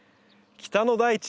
北の大地